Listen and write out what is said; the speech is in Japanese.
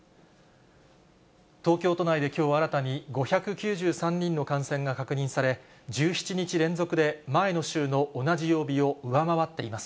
東京都内できょう新たに５９３人の感染が確認され、１７日連続で前の週の同じ曜日を上回っています。